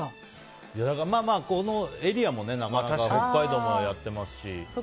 放送のエリアもなかなか北海道もやってますし。